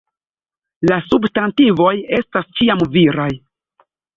La substantivoj estas ĉiam viraj.